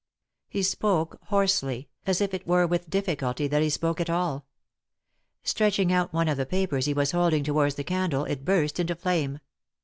He spoke hoarsely, as if it were with difficulty that be spoke at all. Stretching out one of the papers he was holding towards the candle it burst into flame.